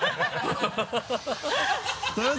ハハハ